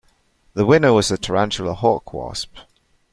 The winner was the tarantula hawk wasp.